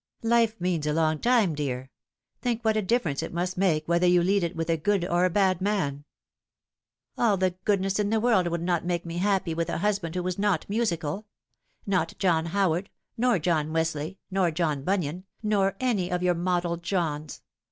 " Life means a long time, dear. Think what a difference it must make whether you lead it with a good or a bad man !"" All the goodness in the world would not make me happy with a husband who was not musical ; not John Howard, nor John Wesley, nor John Bunyan, nor any of your model Johns.